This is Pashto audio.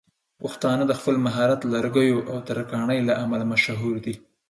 پښتانه د خپل مهارت لرګيو او ترکاڼۍ له امله مشهور دي.